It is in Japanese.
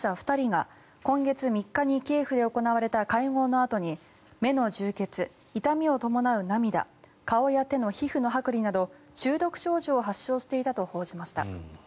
２人が今月３日にキエフで行われた会合のあとに目の充血、痛みを伴う涙顔や手の皮膚のはく離など中毒症状を発症していたと報じました。